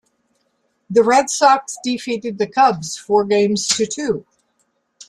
The Red Sox defeated the Cubs four games to two.